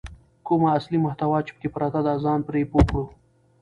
کومه اصلي محتوا چې پکې پرته ده ځان پرې پوه کړو.